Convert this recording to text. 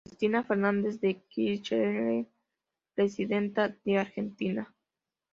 Cristina Fernández de Kirchner, presidenta de Argentina.